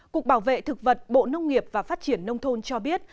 cục bảo vệ thực vật bộ nông nghiệp và phát triển nông thôn cho biết